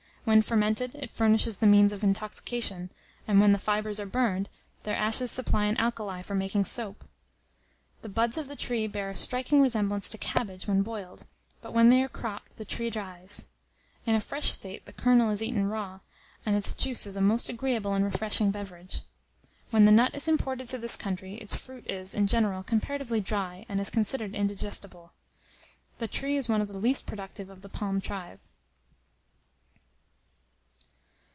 When fermented, it furnishes the means of intoxication; and when the fibres are burned, their ashes supply an alkali for making soap. The buds of the tree bear a striking resemblance to cabbage when boiled; but when they are cropped, the tree dies. In a fresh state, the kernel is eaten raw, and its juice is a most agreeable and refreshing beverage. When the nut is imported to this country, its fruit is, in general, comparatively dry, and is considered indigestible. The tree is one of the least productive of the palm tribe.